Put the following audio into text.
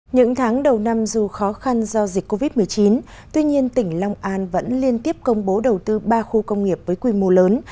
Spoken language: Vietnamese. những tháng đầu năm dù khó khăn do dịch covid một mươi chín tuy nhiên tỉnh long an vẫn liên tiếp công bố đầu tư ba khu công nghiệp với quy mô lớn